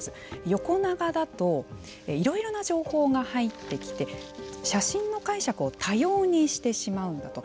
横長だといろいろな情報が入ってきて写真の解釈を多様にしてしまうんだと。